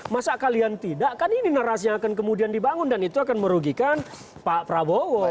masa kalian tidak kan ini narasi yang akan kemudian dibangun dan itu akan merugikan pak prabowo